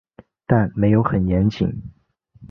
但没有很严谨